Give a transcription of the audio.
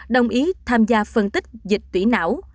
đồng ý tham gia phân tích dịch tủy não